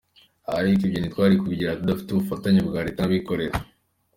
Ariko ibyo ntitwari kubigera tudafite ubufatanye bwa leta n’abikorera.